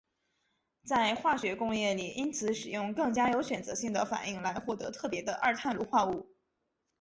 在化学工业里因此使用更加有选择性的反应来获得特别的二碳卤化物。